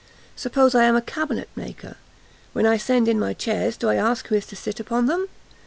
Suppose I am a cabinet maker? When I send in my chairs, do I ask who is to sit upon them?